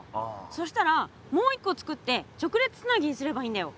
そしたらもう一個つくって直列つなぎにすればいいんだよ！